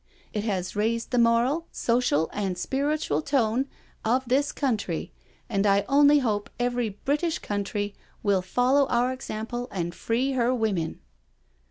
It has raised the moral, social, and spiritual tone of this country, and I only hope every British country will follow our example and free her women."